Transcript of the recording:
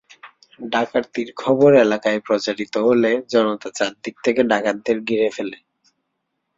ডাকাতির খবর এলাকায় প্রচারিত হলে জনতা চারদিক থেকে ডাকাতদের ঘিরে ফেলে।